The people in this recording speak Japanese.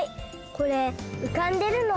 これうかんでるの？